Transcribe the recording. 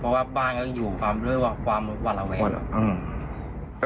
เพราะว่าบ้านเขาอยู่ด้วยความวาระแวะ